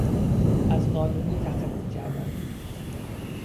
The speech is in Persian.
از قانونی تخطی کردن